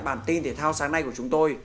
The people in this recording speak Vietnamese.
bản tin thể thao sáng nay của chúng tôi